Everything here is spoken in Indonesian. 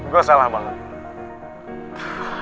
gue salah banget